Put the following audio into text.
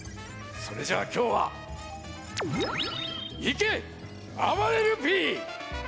それじゃあきょうはいけあばれるＰ！